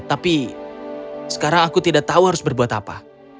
tapi sekarang aku tidak tahu harus berbuat apa